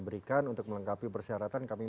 berikan untuk melengkapi persyaratan kami